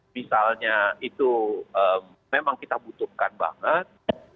misalnya itu memang kita butuhkan banget